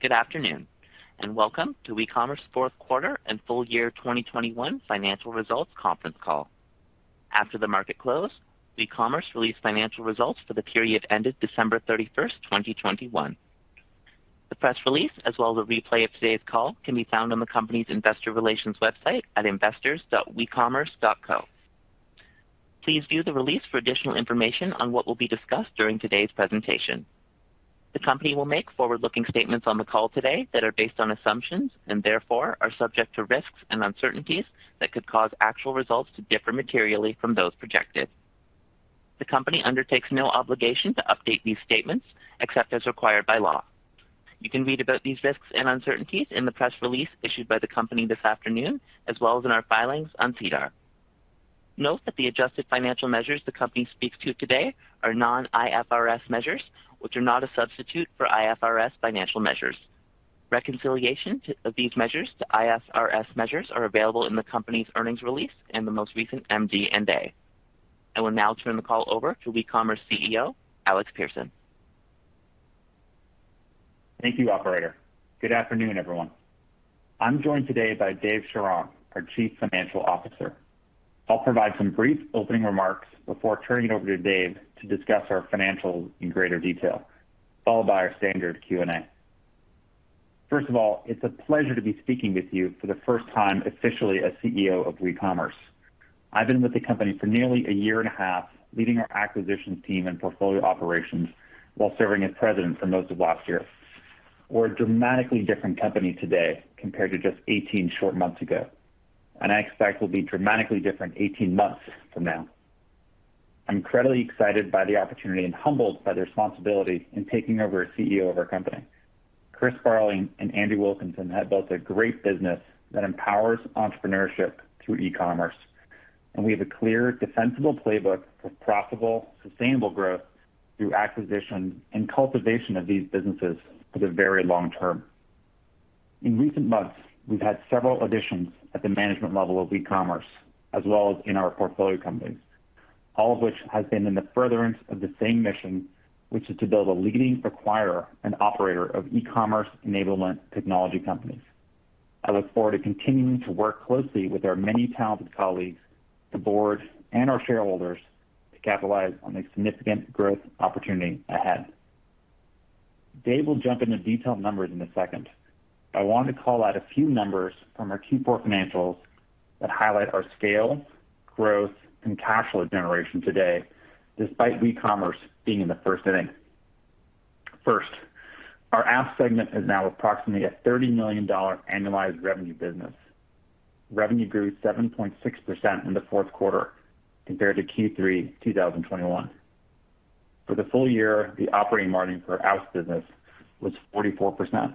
Good afternoon, and welcome to WeCommerce fourth quarter and full year 2021 financial results conference call. After the market closed, WeCommerce released financial results for the period ended December 31st, 2021. The press release as well as the replay of today's call can be found on the company's investor relations website at investors.wecommerce.co. Please view the release for additional information on what will be discussed during today's presentation. The company will make forward-looking statements on the call today that are based on assumptions, and therefore are subject to risks and uncertainties that could cause actual results to differ materially from those projected. The company undertakes no obligation to update these statements except as required by law. You can read about these risks and uncertainties in the press release issued by the company this afternoon, as well as in our filings on SEDAR. Note that the adjusted financial measures the company speaks to today are non-IFRS measures, which are not a substitute for IFRS financial measures. Reconciliation of these measures to IFRS measures are available in the company's earnings release in the most recent MD&A. I will now turn the call over to WeCommerce CEO, Alex Persson. Thank you, operator. Good afternoon, everyone. I'm joined today by David Charron, our Chief Financial Officer. I'll provide some brief opening remarks before turning it over to Dave to discuss our financials in greater detail, followed by our standard Q&A. First of all, it's a pleasure to be speaking with you for the first time officially as CEO of WeCommerce. I've been with the company for nearly a year and a half, leading our acquisitions team and portfolio operations while serving as President for most of last year. We're a dramatically different company today compared to just 18 short months ago, and I expect we'll be dramatically different 18 months from now. I'm incredibly excited by the opportunity and humbled by the responsibility in taking over as CEO of our company. Chris Sparling and Andrew Wilkinson have built a great business that empowers entrepreneurship through e-commerce, and we have a clear, defensible playbook for profitable, sustainable growth through acquisition and cultivation of these businesses for the very long term. In recent months, we've had several additions at the management level of WeCommerce, as well as in our portfolio companies. All of which has been in the furtherance of the same mission, which is to build a leading acquirer and operator of e-commerce enablement technology companies. I look forward to continuing to work closely with our many talented colleagues, the board, and our shareholders to capitalize on the significant growth opportunity ahead. Dave will jump into detailed numbers in a second. I want to call out a few numbers from our Q4 financials that highlight our scale, growth, and cash flow generation today, despite WeCommerce being in the first inning. First, our Apps segment is now approximately a 30 million dollar annualized revenue business. Revenue grew 7.6% in the fourth quarter compared to Q3 2021. For the full year, the operating margin for our Apps business was 44%.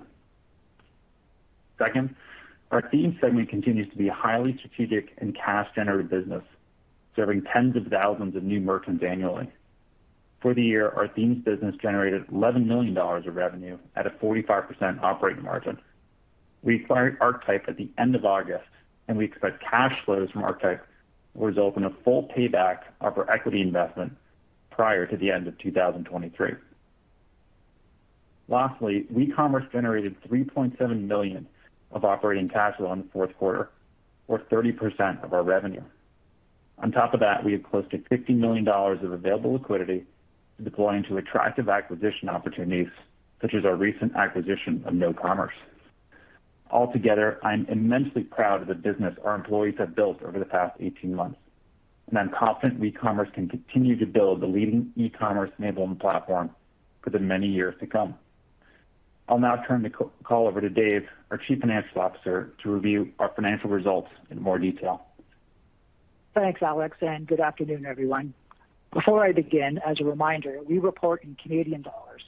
Second, our Themes segment continues to be a highly strategic and cash generative business, serving tens of thousands of new merchants annually. For the year, our Themes business generated 11 million dollars of revenue at a 45% operating margin. We acquired Archetype at the end of August, and we expect cash flows from Archetype will result in a full payback of our equity investment prior to the end of 2023. Lastly, WeCommerce generated 3.7 million of operating cash flow in the fourth quarter, or 30% of our revenue. On top of that, we have close to 50 million dollars of available liquidity to deploy into attractive acquisition opportunities, such as our recent acquisition of KnoCommerce. Altogether, I'm immensely proud of the business our employees have built over the past 18 months, and I'm confident WeCommerce can continue to build the leading e-commerce enablement platform for the many years to come. I'll now turn the call over to Dave, our Chief Financial Officer, to review our financial results in more detail. Thanks, Alex, and good afternoon, everyone. Before I begin, as a reminder, we report in Canadian dollars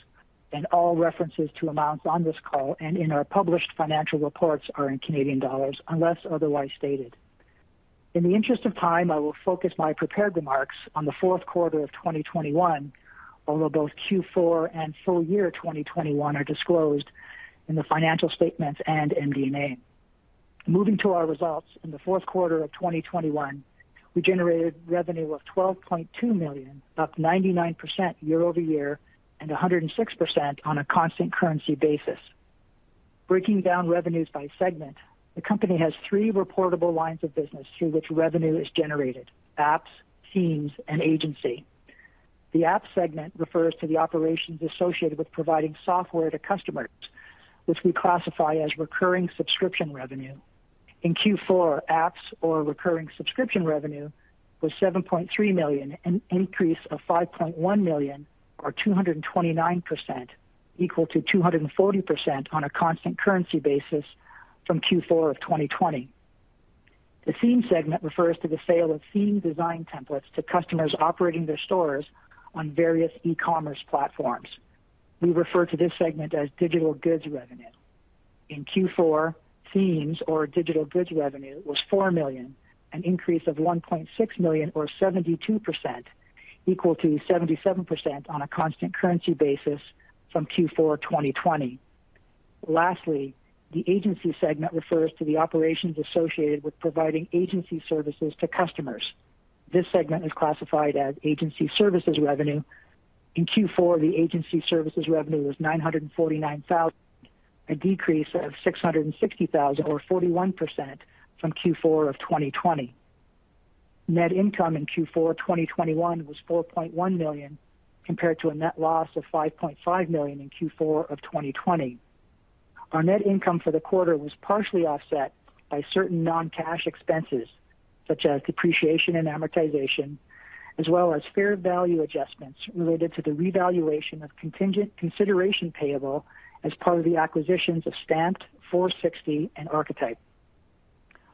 and all references to amounts on this call and in our published financial reports are in Canadian dollars unless otherwise stated. In the interest of time, I will focus my prepared remarks on the fourth quarter of 2021, although both Q4 and full year 2021 are disclosed in the financial statements and MD&A. Moving to our results, in the fourth quarter of 2021, we generated revenue of 12.2 million, up 99% year-over-year, and 106% on a constant currency basis. Breaking down revenues by segment, the company has three reportable lines of business through which revenue is generated: Apps, Themes, and Agency. The Apps segment refers to the operations associated with providing software to customers, which we classify as recurring subscription revenue. In Q4, Apps or recurring subscription revenue was 7.3 million, an increase of 5.1 million or 229%, equal to 240% on a constant currency basis from Q4 of 2020. The Themes segment refers to the sale of theme design templates to customers operating their stores on various e-commerce platforms. We refer to this segment as digital goods revenue. In Q4, Themes or digital goods revenue was 4 million, an increase of 1.6 million or 72%, equal to 77% on a constant currency basis from Q4 2020. Lastly, the Agency segment refers to the operations associated with providing agency services to customers. This segment is classified as agency services revenue. In Q4, agency services revenue was 949,000, a decrease of 660,000 or 41% from Q4 of 2020. Net income in Q4 2021 was 4.1 million compared to a net loss of 5.5 million in Q4 of 2020. Our net income for the quarter was partially offset by certain non-cash expenses such as depreciation and amortization, as well as fair value adjustments related to the revaluation of contingent consideration payable as part of the acquisitions of Stamped, Foursixty and Archetype.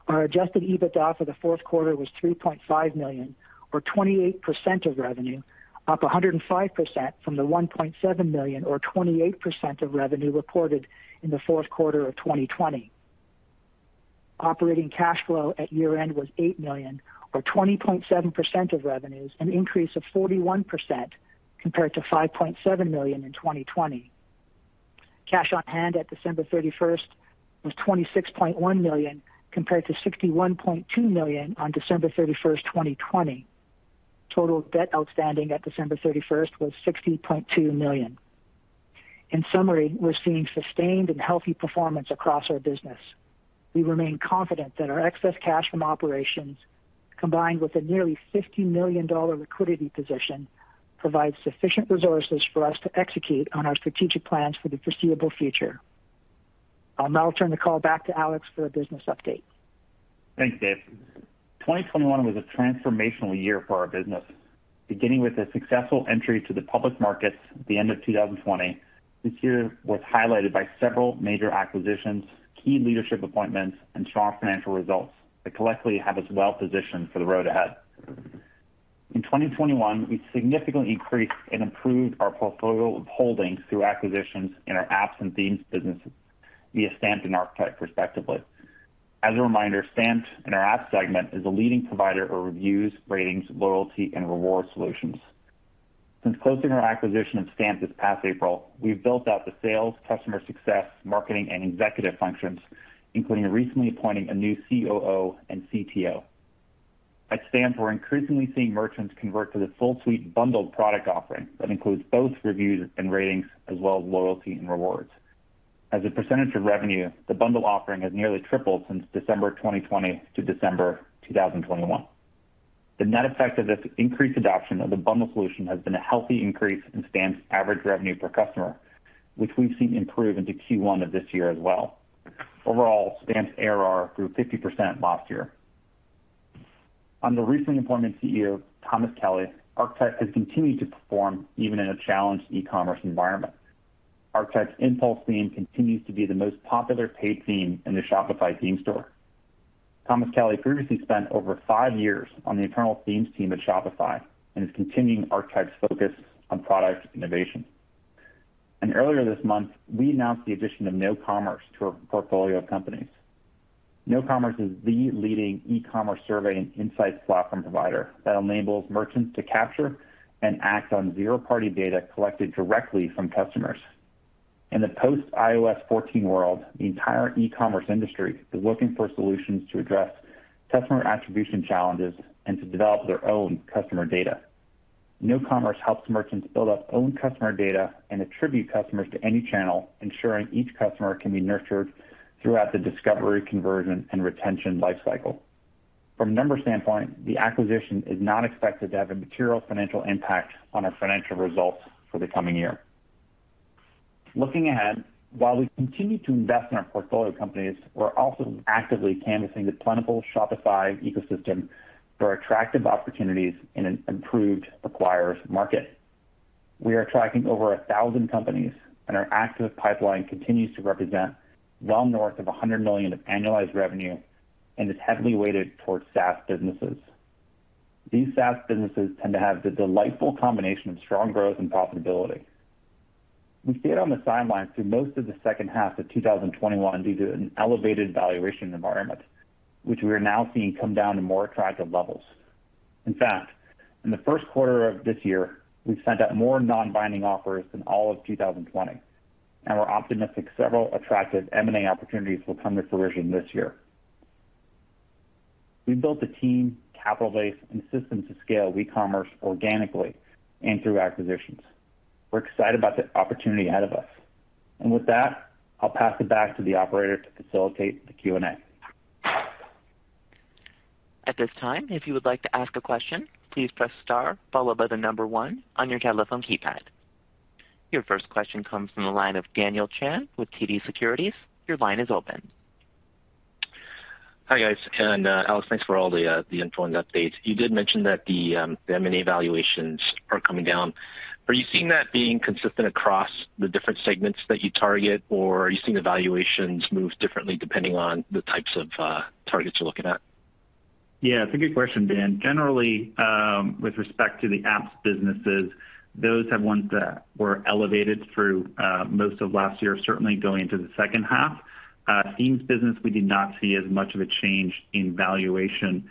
Our adjusted EBITDA for the fourth quarter was 3.5 million or 28% of revenue, up 105% from the 1.7 million or 28% of revenue reported in the fourth quarter of 2020. Operating cash flow at year-end was 8 million or 20.7% of revenues, an increase of 41% compared to 5.7 million in 2020. Cash on hand at December 31st was 26.1 million compared to 61.2 million on December 31st, 2020. Total debt outstanding at December 31st was 60.2 million. In summary, we're seeing sustained and healthy performance across our business. We remain confident that our excess cash from operations, combined with a nearly 50 million dollar liquidity position, provides sufficient resources for us to execute on our strategic plans for the foreseeable future. I'll now turn the call back to Alex for a business update. Thanks, Dave. 2021 was a transformational year for our business, beginning with a successful entry to the public markets at the end of 2020. This year was highlighted by several major acquisitions, key leadership appointments, and strong financial results that collectively have us well positioned for the road ahead. In 2021, we significantly increased and improved our portfolio of holdings through acquisitions in our Apps and Themes businesses via Stamped and Archetype, respectively. As a reminder, Stamped in our Apps segment is a leading provider of reviews, ratings, loyalty, and reward solutions. Since closing our acquisition of Stamped this past April, we've built out the sales, customer success, marketing, and executive functions, including recently appointing a new COO and CTO. At Stamped, we're increasingly seeing merchants convert to the full suite bundled product offering that includes both reviews and ratings, as well as loyalty and rewards. As a percentage of revenue, the bundle offering has nearly tripled since December 2020 to December 2021. The net effect of this increased adoption of the bundle solution has been a healthy increase in Stamped's average revenue per customer, which we've seen improve into Q1 of this year as well. Overall, Stamped's ARR grew 50% last year. Under recently appointed CEO Thomas Kelly, Archetype has continued to perform even in a challenged e-commerce environment. Archetype's Impulse theme continues to be the most popular paid theme in the Shopify theme store. Thomas Kelly previously spent over five years on the internal themes team at Shopify and is continuing Archetype's focus on product innovation. Earlier this month, we announced the addition of KnoCommerce to our portfolio of companies. KnoCommerce is the leading e-commerce survey and insights platform provider that enables merchants to capture and act on zero-party data collected directly from customers. In the post-iOS 14 world, the entire e-commerce industry is looking for solutions to address customer attribution challenges and to develop their own customer data. KnoCommerce helps merchants build up their own customer data and attribute customers to any channel, ensuring each customer can be nurtured throughout the discovery, conversion, and retention life cycle. From a numbers standpoint, the acquisition is not expected to have a material financial impact on our financial results for the coming year. Looking ahead, while we continue to invest in our portfolio companies, we're also actively canvassing the plentiful Shopify ecosystem for attractive opportunities in an improved acquirer's market. We are tracking over 1,000 companies, and our active pipeline continues to represent well north of 100 million of annualized revenue and is heavily weighted towards SaaS businesses. These SaaS businesses tend to have the delightful combination of strong growth and profitability. We stayed on the sidelines through most of the second half of 2021 due to an elevated valuation environment, which we are now seeing come down to more attractive levels. In fact, in the first quarter of this year, we've sent out more non-binding offers than all of 2020, and we're optimistic several attractive M&A opportunities will come to fruition this year. We've built the team, capital base, and systems to scale WeCommerce organically and through acquisitions. We're excited about the opportunity ahead of us. With that, I'll pass it back to the operator to facilitate the Q&A. Your first question comes from the line of Daniel Chan with TD Securities. Your line is open. Hi, guys. Alex, thanks for all the info and updates. You did mention that the M&A valuations are coming down. Are you seeing that being consistent across the different segments that you target, or are you seeing the valuations move differently depending on the types of targets you're looking at? Yeah, it's a good question, Dan. Generally, with respect to the Apps businesses, those have ones that were elevated through most of last year, certainly going into the second half. Themes business, we did not see as much of a change in valuation.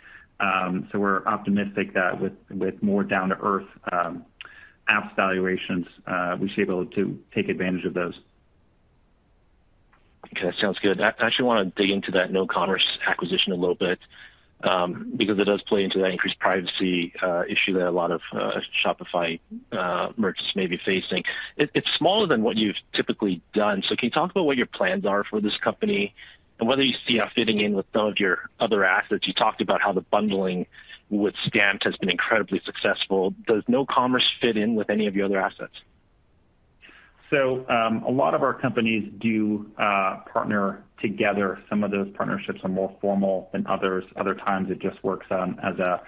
We're optimistic that with more down to earth apps valuations, we should be able to take advantage of those. Okay, that sounds good. I actually want to dig into that KnoCommerce acquisition a little bit, because it does play into that increased privacy issue that a lot of Shopify merchants may be facing. It's smaller than what you've typically done. Can you talk about what your plans are for this company and whether you see it fitting in with some of your other assets? You talked about how the bundling with Stamped has been incredibly successful. Does KnoCommerce fit in with any of your other assets? A lot of our companies do partner together. Some of those partnerships are more formal than others. Other times it just works out as a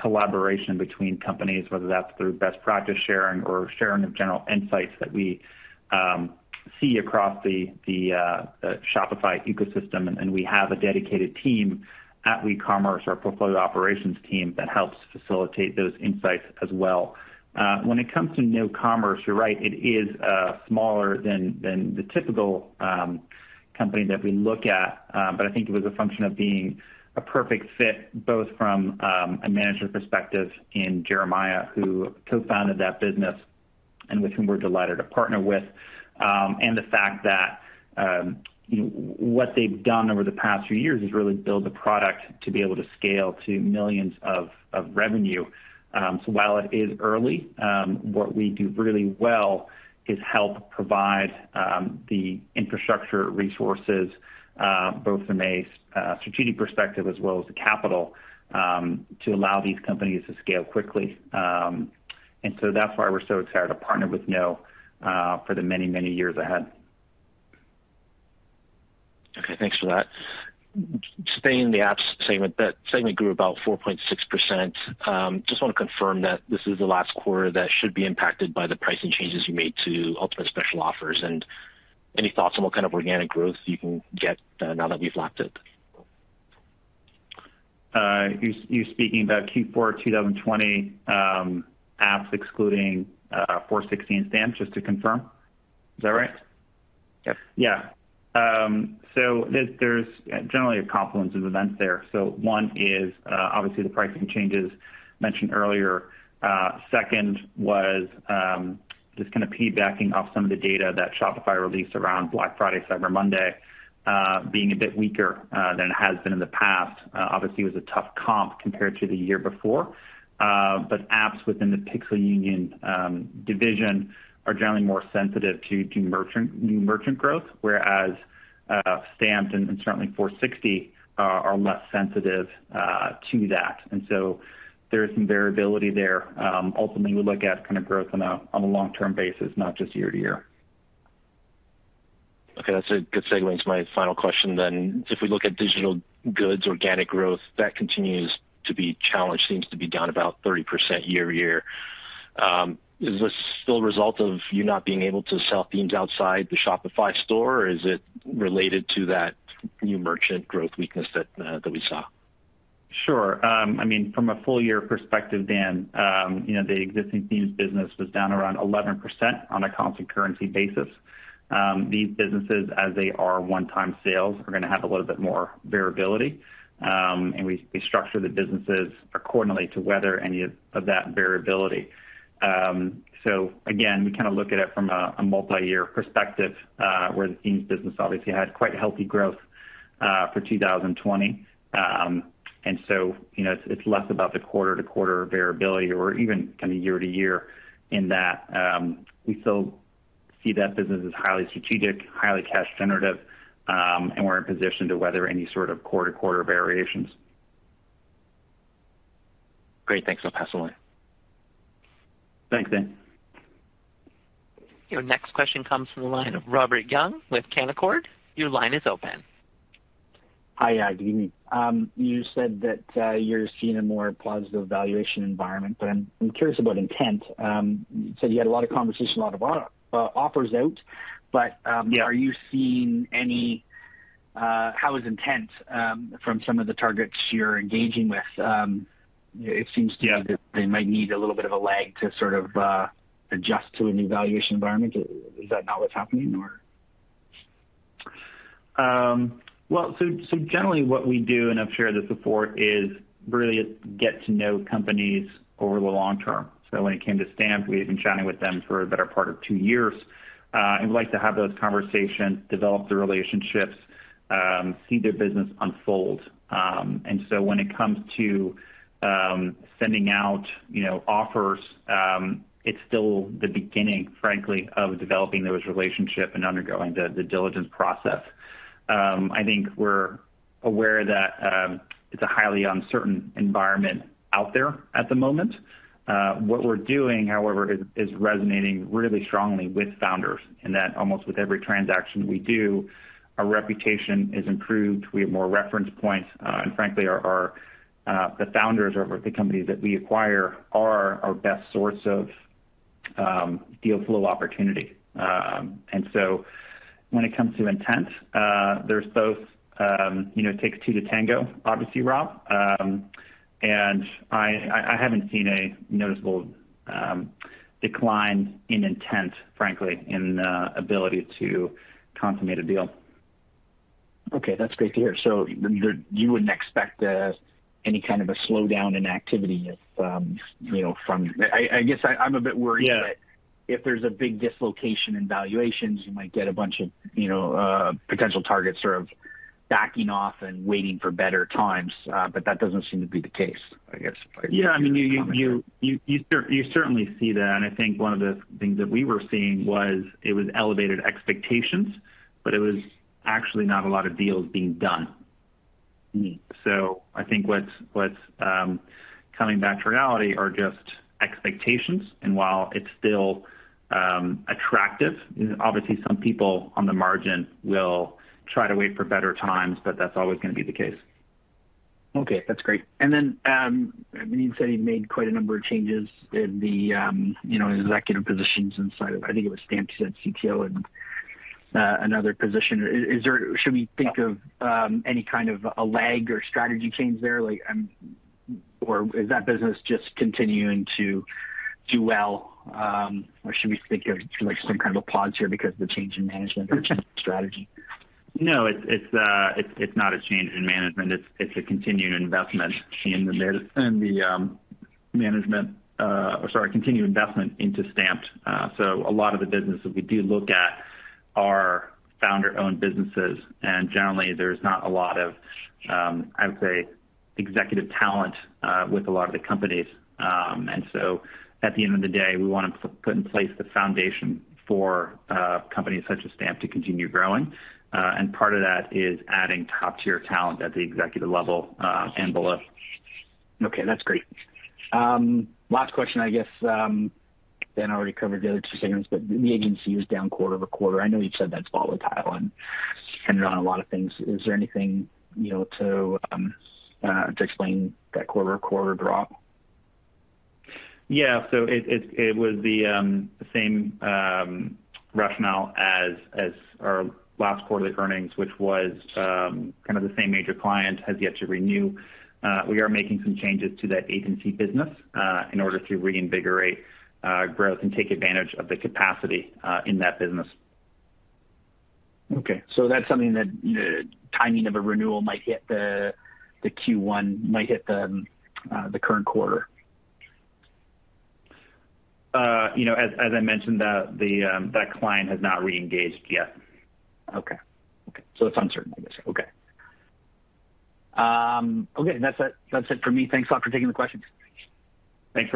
collaboration between companies, whether that's through best practice sharing or sharing of general insights that we see across the Shopify ecosystem. We have a dedicated team at WeCommerce, our portfolio operations team, that helps facilitate those insights as well. When it comes to KnoCommerce, you're right, it is smaller than the typical company that we look at. I think it was a function of being a perfect fit, both from a manager perspective in Jeremiah, who co-founded that business and with whom we're delighted to partner with. The fact that what they've done over the past few years is really build a product to be able to scale to millions of revenue. While it is early, what we do really well is help provide the infrastructure resources both from a strategic perspective as well as the capital to allow these companies to scale quickly. That's why we're so excited to partner with No for the many, many years ahead. Okay, thanks for that. Staying in the Apps segment, that segment grew about 4.6%. Just want to confirm that this is the last quarter that should be impacted by the pricing changes you made to Ultimate Special Offers, and any thoughts on what kind of organic growth you can get now that you've lapped it? You speaking about Q4 2020, apps excluding Foursixty and Stamped, just to confirm? Is that right? Yes. Yeah, there's generally a confluence of events there. One is obviously the pricing changes mentioned earlier. Second was just kind of piggybacking off some of the data that Shopify released around Black Friday, Cyber Monday being a bit weaker than it has been in the past. Obviously, it was a tough comp compared to the year before. But apps within the Pixel Union division are generally more sensitive to new merchant growth, whereas Stamped and certainly Foursixty are less sensitive to that. There is some variability there. Ultimately, we look at kind of growth on a long-term basis, not just year-over-year. Okay, that's a good segue into my final question then. If we look at digital goods, organic growth, that continues to be challenged, seems to be down about 30% year-over-year. Is this still a result of you not being able to sell themes outside the Shopify store, or is it related to that new merchant growth weakness that we saw? Sure. I mean, from a full year perspective, Dan, you know, the existing Themes business was down around 11% on a constant currency basis. These businesses, as they are one-time sales, are gonna have a little bit more variability, and we structure the businesses accordingly to weather any of that variability. Again, we kinda look at it from a multi-year perspective, where the Themes business obviously had quite healthy growth for 2020. You know, it's less about the quarter-to-quarter variability or even kinda year-to-year in that we still see that business as highly strategic, highly cash generative, and we're in position to weather any sort of quarter-to-quarter variations. Great. Thanks. I'll pass it along. Thanks, Dan. Your next question comes from the line of Robert Young with Canaccord. Your line is open. Hi, good evening. You said that you're seeing a more positive valuation environment, but I'm curious about intent. You said you had a lot of conversation, a lot of offers out, but. Yeah. Are you seeing any? How is intent from some of the targets you're engaging with? It seems to be. Yeah. That they might need a little bit of a lag to sort of adjust to a new valuation environment. Is that not what's happening, or? Generally what we do, and I've shared this before, is really get to know companies over the long term. When it came to Stamped, we had been chatting with them for the better part of two years. We like to have those conversations, develop the relationships, see their business unfold. When it comes to sending out, you know, offers, it's still the beginning, frankly, of developing those relationship and undergoing the diligence process. I think we're aware that it's a highly uncertain environment out there at the moment. What we're doing, however, is resonating really strongly with founders in that almost with every transaction we do, our reputation is improved. We have more reference points. Frankly, the founders of the companies that we acquire are our best source of deal flow opportunity. When it comes to intent, there's both, you know, takes two to tango, obviously, Rob. I haven't seen a noticeable decline in intent, frankly, in ability to consummate a deal. Okay, that's great to hear. You wouldn't expect any kind of a slowdown in activity if you know, I guess I'm a bit worried. Yeah. That if there's a big dislocation in valuations, you might get a bunch of, you know, potential targets sort of backing off and waiting for better times. But that doesn't seem to be the case, I guess. Yeah, I mean, you certainly see that. I think one of the things that we were seeing was it was elevated expectations, but it was actually not a lot of deals being done. Mm-hmm. I think what's coming back to reality are just expectations. While it's still attractive, obviously some people on the margin will try to wait for better times, but that's always gonna be the case. Okay, that's great. Then, I mean, you said you made quite a number of changes in the, you know, executive positions inside of, I think it was Stamped, you said CTO and, another position. Is there any kind of a lag or strategy change there? Like, or is that business just continuing to do well? Or should we think of, like, some kind of a pause here because of the change in management or change in strategy? No, it's not a change in management. It's a continued investment into Stamped. A lot of the businesses we do look at are founder-owned businesses, and generally, there's not a lot of, I would say, executive talent with a lot of the companies. At the end of the day, we wanna put in place the foundation for companies such as Stamped to continue growing. Part of that is adding top-tier talent at the executive level and below. Okay, that's great. Last question, I guess, Dan already covered the other two segments, but the Agency was down quarter-over-quarter. I know you've said that's volatile and dependent on a lot of things. Is there anything, you know, to explain that quarter-over-quarter drop? Yeah. It was the same rationale as our last quarterly earnings, which was kind of the same major client has yet to renew. We are making some changes to that agency business in order to reinvigorate growth and take advantage of the capacity in that business. Okay, that's something that the timing of a renewal might hit the Q1, the current quarter. You know, as I mentioned, that client has not reengaged yet. Okay. It's uncertain, I guess. Okay, that's it for me. Thanks a lot for taking the questions. Thanks,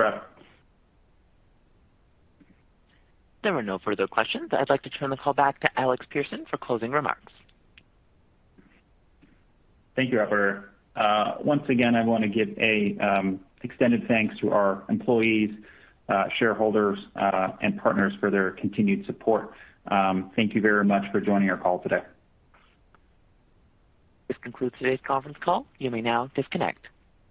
Robert. There are no further questions. I'd like to turn the call back to Alex Persson for closing remarks. Thank you, operator. Once again, I wanna give an extended thanks to our employees, shareholders, and partners for their continued support. Thank you very much for joining our call today. This concludes today's conference call. You may now disconnect.